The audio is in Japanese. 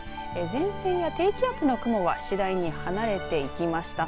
前線や低気圧の雲は次第に離れていきました。